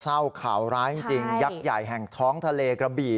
เศร้าข่าวร้ายจริงยักษ์ใหญ่แห่งท้องทะเลกระบี่